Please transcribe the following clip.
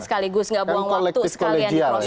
sekaligus nggak buang waktu sekalian di proses